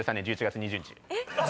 えっ。